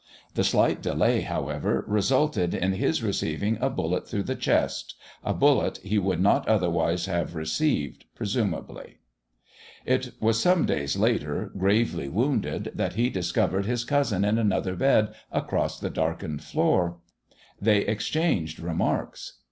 The slight delay, however, resulted in his receiving a bullet through the chest a bullet he would not otherwise have received, presumably. It was some days later, gravely wounded, that he discovered his cousin in another bed across the darkened floor. They exchanged remarks.